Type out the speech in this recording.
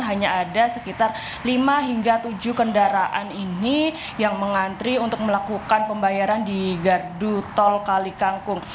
hanya ada sekitar lima hingga tujuh kendaraan ini yang mengantri untuk melakukan pembayaran di gardu tol kali kangkung